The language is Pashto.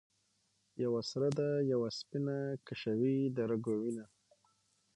یوه سره ده یوه سپینه ـ کشوي د رګو وینه